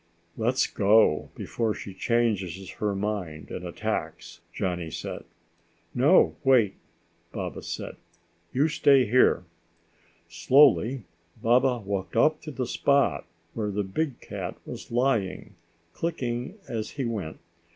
"Let's go before she changes her mind and attacks," Johnny said. "No, wait!" Baba said. "You stay here." Slowly Baba walked up to the spot where the big cat was lying, clicking as he went.